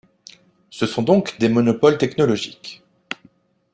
Ce sont donc des monopoles technologiques.